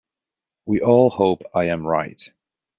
We all hope I am right.